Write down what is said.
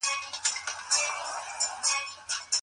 ښه دادی، چي يو د بل احسان ومنئ.